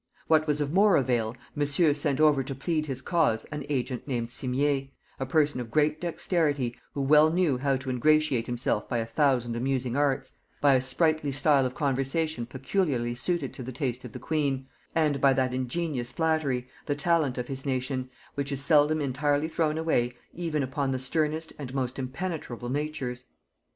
What was of more avail, Monsieur sent over to plead his cause an agent named Simier, a person of great dexterity, who well knew how to ingratiate himself by a thousand amusing arts; by a sprightly style of conversation peculiarly suited to the taste of the queen; and by that ingenious flattery, the talent of his nation, which is seldom entirely thrown away even upon the sternest and most impenetrable natures.